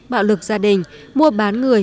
bạo lực gia đình mua bán người